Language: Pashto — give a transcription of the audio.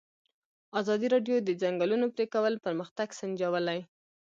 ازادي راډیو د د ځنګلونو پرېکول پرمختګ سنجولی.